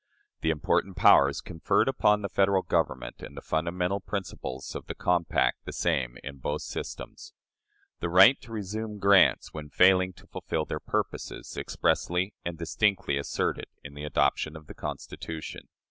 The Important Powers conferred upon the Federal Government and the Fundamental Principles of the Compact the same in both Systems. The Right to resume Grants, when failing to fulfill their Purposes, expressly and distinctly asserted in the Adoption of the Constitution.